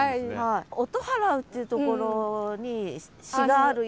「音払ふ」ってところに詩があるよ。